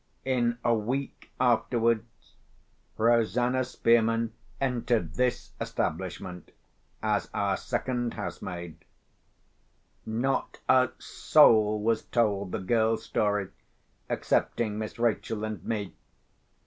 In a week afterwards, Rosanna Spearman entered this establishment as our second housemaid. Not a soul was told the girl's story, excepting Miss Rachel and me.